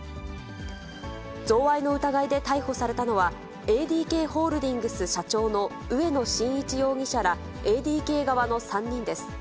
贈賄の疑いで逮捕されたのは、ＡＤＫホールディングス社長の植野伸一容疑者ら、ＡＤＫ側の３人です。